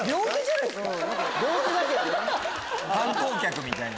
観光客みたいな。